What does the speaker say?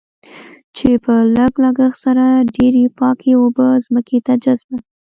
چې په لږ لګښت سره ډېرې پاکې اوبه ځمکې ته جذب.